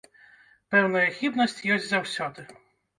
Пэўная хібнасць ёсць заўсёды.